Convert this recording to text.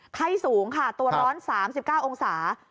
ไข้สูงค่ะตัวร้อน๓๙องศา